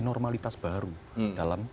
normalitas baru dalam